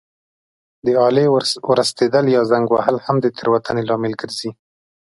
د آلې ورستېدل یا زنګ وهل هم د تېروتنې لامل ګرځي.